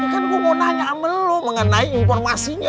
kan gue mau nanya sama belum mengenai informasinya